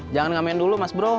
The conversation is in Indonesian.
jangan gak main dulu mas bro